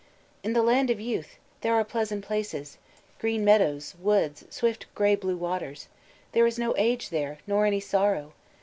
"In the Land of Youth There are pleasant places; Green meadows, woods, Swift grey blue waters. "There is no age there, Nor any sorrow.